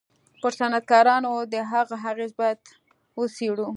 پر صنعتکارانو د هغه اغېز بايد و څېړو.